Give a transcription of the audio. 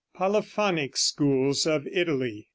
POLYPHONIC SCHOOLS OF ITALY.